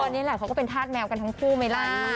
ตอนนี้แหละเขาก็เป็นธาตุแมวกันทั้งคู่ไหมล่ะ